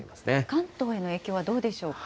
関東への影響はどうでしょうか。